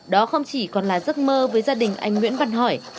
đó không chỉ còn là giấc mơ với gia đình anh nguyễn văn hỏi